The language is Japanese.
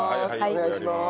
お願いします。